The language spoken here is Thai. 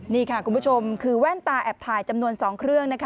นี่ค่ะคุณผู้ชมคือแว่นตาแอบถ่ายจำนวน๒เครื่องนะคะ